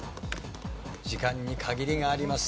時間に限りがあります。